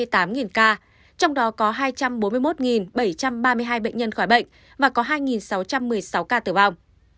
trong đó có hai trăm bốn mươi một bảy trăm ba mươi hai bệnh nhân khỏi bệnh và có hai sáu trăm một mươi sáu ca tử vong